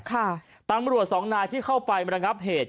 ตำรวจสองนายที่เข้าไประงับเหตุ